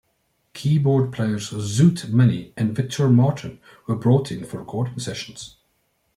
Keyboard players Zoot Money and Victor Martin were brought in for recording sessions.